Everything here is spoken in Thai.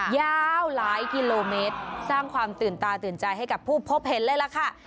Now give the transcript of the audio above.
ยาวหลายกิโลเมตรสร้างความตื่นตาตื่นใจให้กับผู้พบเห็นเลยล่ะค่ะ